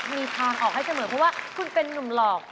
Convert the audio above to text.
มีทางออกให้เสมอเพราะว่าคุณเป็นนุ่มหลอก